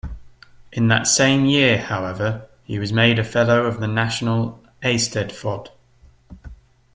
In that same year, however, he was made a Fellow of the National Eisteddfod.